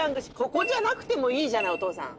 ここじゃなくてもいいじゃないお父さん。